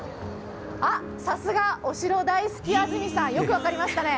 さすが、お城大好き安住さん、よく分かりましたね。